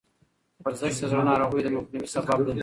ورزش د زړه ناروغیو د مخنیوي سبب دی.